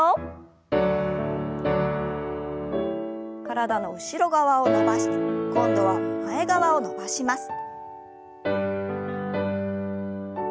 体の後ろ側を伸ばして今度は前側を伸ばします。